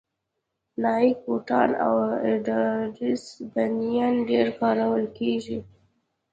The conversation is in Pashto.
نایک بوټان او اډیډاس بنېن ډېر کارول کېږي